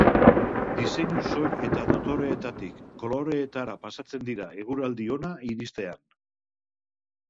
Diseinu soil eta dotoreetatik koloreetara pasatzen dira eguraldi ona iristean.